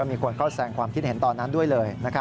มีคนเข้าแสงความคิดเห็นตอนนั้นด้วยเลย